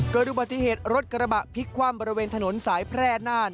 เกิดอุบัติเหตุรถกระบะพลิกคว่ำบริเวณถนนสายแพร่น่าน